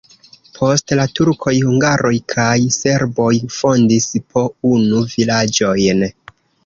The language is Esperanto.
Post la turkoj hungaroj kaj serboj fondis po unu vilaĝojn.